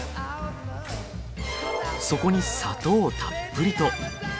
そこに砂糖をたっぷりと。